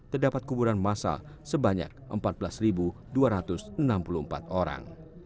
terdapat kuburan masal sebanyak empat belas dua ratus enam puluh empat orang